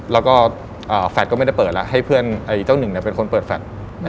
แล้วก็แฟลตก็ไม่ได้เปิดแล้วให้เพื่อนเจ้าหนึ่งเป็นคนเปิดแฟลต